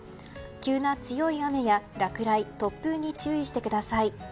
急な強い雨や落雷、突風に注意してください。